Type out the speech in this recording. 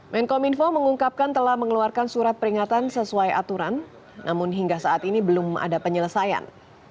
menkom info mengungkapkan telah mengeluarkan surat peringatan sesuai aturan namun hingga saat ini belum ada penyelesaian